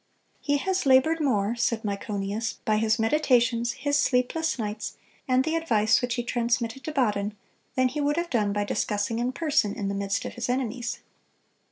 He "has labored more," said Myconius, "by his meditations, his sleepless nights, and the advice which he transmitted to Baden, than he would have done by discussing in person in the midst of his enemies."